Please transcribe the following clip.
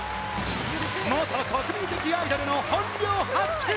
元国民的アイドルの本領発揮